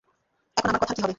এখন আমার কথার কী হবে?